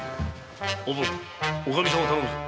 おぶんおかみさんを頼むぞ。